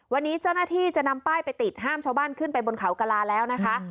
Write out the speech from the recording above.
วันนี้เจ้าหน้าที่จะนำป้ายไปติดห้ามชาวบ้านขึ้นไปบนเขากระลาแล้วนะคะ